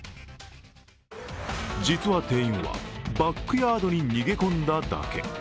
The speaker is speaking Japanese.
実は店員はバックヤードに逃げ込んだだけ。